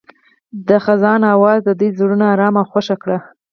د خزان اواز د دوی زړونه ارامه او خوښ کړل.